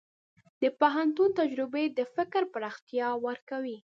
د پوهنتون تجربې د فکر پراختیا ورکوي.